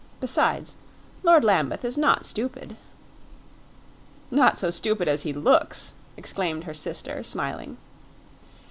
Besides, Lord Lambeth is not stupid." "Not so stupid as he looks!" exclaimed her sister, smiling.